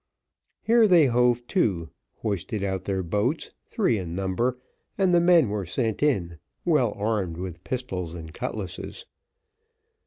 Here they hove to, hoisted out their boats, three in number, and the men were sent in, well armed with pistols and cutlasses.